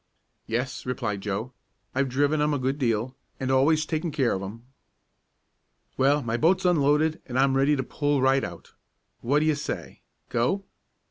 "Yes," replied Joe. "I've driven 'em a good deal, and always taken care of 'em." "Well, my boat's unloaded, an' I'm ready to pull right out. Wha' do ye say? Go?"